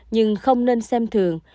nhưng không nên xem thường